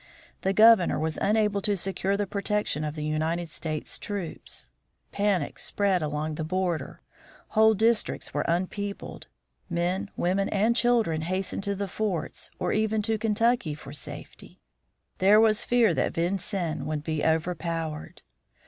The Governor was unable to secure the protection of the United States troops. Panic spread along the border; whole districts were unpeopled. Men, women, and children hastened to the forts or even to Kentucky for safety. There was fear that Vincennes would be overpowered.